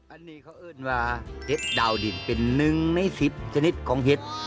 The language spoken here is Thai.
อันนี้เขาเอิ้นว่าเต็ดดาวดินเป็น๑ใน๑๐ชนิดของเห็ด